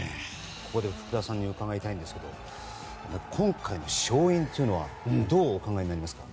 ここで福田さんに伺いたいんですけど今回の勝因というのはどうお考えになりますか。